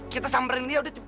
kita sampai dia sudahlah cepat